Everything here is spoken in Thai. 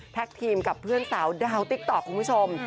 ทีมกับเพื่อนสาวดาวติ๊กต๊อกคุณผู้ชม